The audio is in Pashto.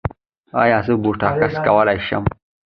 ایا زه بوټاکس کولی شم؟